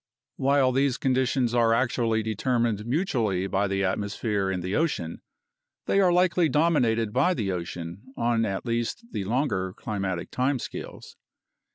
While these condi tions are actually determined mutually by the atmosphere and the ocean, they are likely dominated by the ocean on at least the longer climatic time scales.